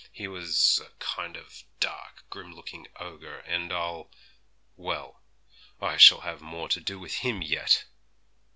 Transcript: He was a kind of dark, grim looking ogre, and I'll well, I shall have more to do with him yet!'